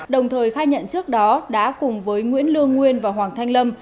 đồng thời khai nhận trước đó đã cùng với nguyễn lương nguyên và hoàng thanh lâm